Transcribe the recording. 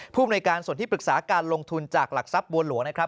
ภูมิในการส่วนที่ปรึกษาการลงทุนจากหลักทรัพย์บัวหลวงนะครับ